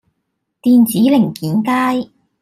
電子零件街